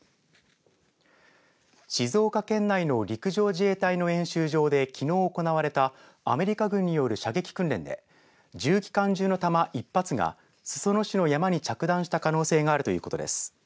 静岡県内の陸上自衛隊の演習場できのう行われたアメリカ軍による射撃訓練で重機関銃の弾１発が裾野市の山に着弾した可能性があるということです。